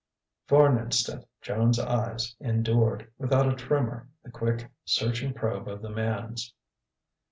For an instant Joan's eyes endured, without a tremor, the quick searching probe of the man's.